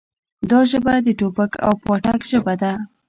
دا ژبه د ټوپک او پاټک ژبه ده.